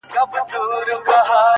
تش په نامه پښتنو پر حال به یې